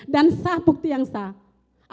dan sah bukti yang sah